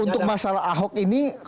untuk masalah ahok ini